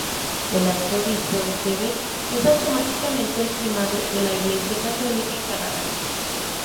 El arzobispo de Quebec es automáticamente el primado de la Iglesia católica en Canadá.